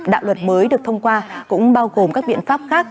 đạo luật mới được thông qua cũng bao gồm các biện pháp khác